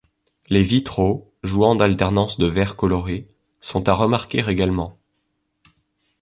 Les vitraux, jouant d'alternance de verres colorés, sont à remarquer également.